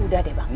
udah deh bang